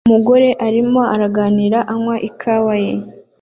Umugore arimo araganira anywa ikawa ye